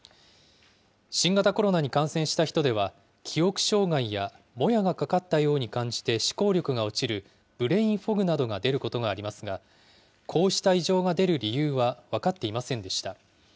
新型コロナに感染した人では、記憶障害やもやがかかったように感じて思考力が落ちるブレインフォグなどが出ることがありますが、こうした異常が出る理由は、分かっていませんでした。